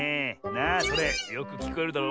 なあそれよくきこえるだろ？